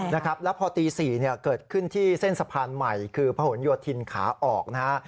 และพอตี๔เกิดขึ้นที่เส้นสะพานใหม่คือพระหลโยธินขาออกนะครับ